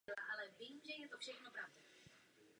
Bývají také pěstovány jako zajímavost v botanických zahradách.